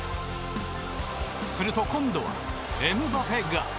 すると今度はエムバペが。